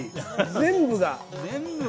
全部が。